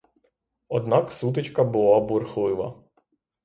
Однак, сутичка була бурхлива.